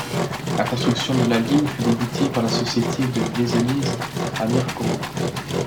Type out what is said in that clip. La construction de la ligne fut débutée par la Société de Vézelise à Mirecourt.